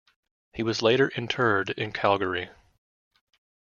He was later interred in Calgary.